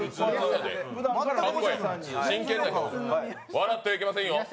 笑ってはいけませんよ